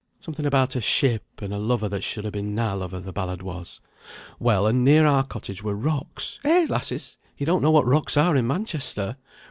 Something about a ship and a lover that should hae been na lover, the ballad was. Well, and near our cottage were rocks. Eh, lasses! ye don't know what rocks are in Manchester!